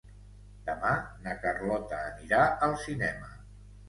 Demà na Carlota anirà al cinema.